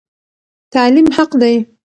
تعلیم حق دی.